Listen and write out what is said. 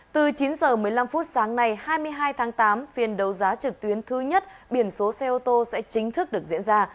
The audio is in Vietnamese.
từ chín h một mươi năm phút sáng nay hai mươi hai tháng tám phiên đấu giá trực tuyến thứ nhất biển số xe ô tô sẽ chính thức được diễn ra